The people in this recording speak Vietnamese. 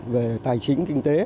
về tài chính kinh tế